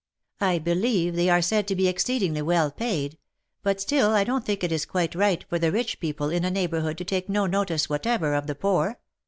I believe they are said to be exceedingly well paid, but still I don't think it is quite right for the rich people in a neighbourhood to take no notice whatever of the poor.